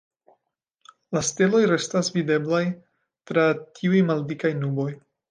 La steloj restas videblaj tra tiuj maldikaj nuboj.